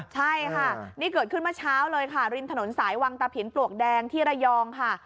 ใช่ค่ะนี่เกิดขึ้นเมื่อเช้าเลยค่ะริมถนนสายวังตะผินปลวกแดงที่ระยองค่ะ